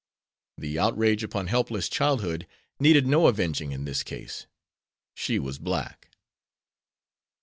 The outrage upon helpless childhood needed no avenging in this case; she was black.